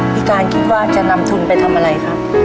พี่การคิดว่าจะนำทุนไปทำอะไรครับ